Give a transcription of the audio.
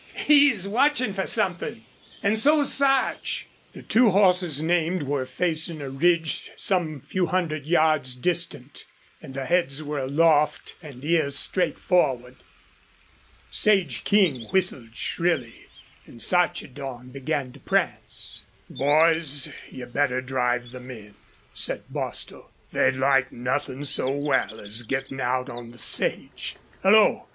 He's watchin' fer somethin'.... An' so's Sarch." The two horses named were facing a ridge some few hundred yards distant, and their heads were aloft and ears straight forward. Sage King whistled shrilly and Sarchedon began to prance. "Boys, you'd better drive them in," said Bostil. "They'd like nothin' so well as gettin' out on the sage.... Hullo!